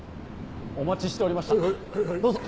お待ちしておりましたどうぞ。